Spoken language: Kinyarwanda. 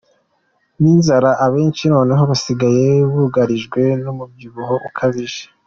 n’inzara abenshi noneho basigaye bugarijwe n’umubyibuho ukabije.